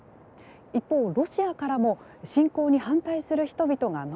一方ロシアからも侵攻に反対する人々が逃れてきています。